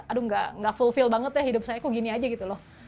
aduh nggak fulfill banget deh hidup saya kok gini aja gitu loh